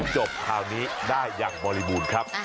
จบคราวนี้ได้อย่างบริบูรณ์ครับ